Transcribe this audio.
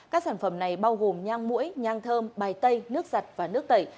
các sản phẩm này bao gồm nhang mũi nhang thơm bài tây nước giặt và nước tẩy